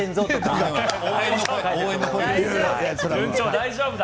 大丈夫だ。